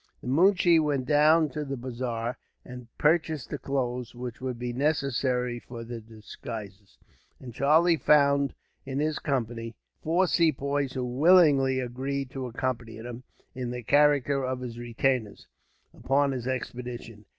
The moonshee went down to the bazaar, and purchased the clothes which would be necessary for the disguises; and Charlie found, in his company, four Sepoys who willingly agreed to accompany him, in the character of his retainers, upon his expedition.